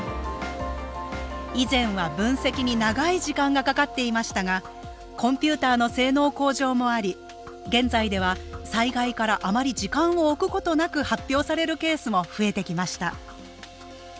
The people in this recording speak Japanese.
以前は分析に長い時間がかかっていましたがコンピューターの性能向上もあり現在では災害からあまり時間を置くことなく発表されるケースも増えてきました